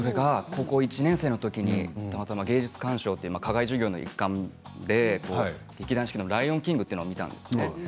高校１年生の時にたまたま芸術鑑賞という課外授業の一環で劇団四季の「ライオンキング」を見たんですね。